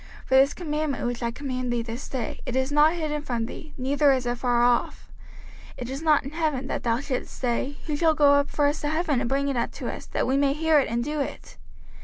05:030:011 For this commandment which I command thee this day, it is not hidden from thee, neither is it far off. 05:030:012 It is not in heaven, that thou shouldest say, Who shall go up for us to heaven, and bring it unto us, that we may hear it, and do it?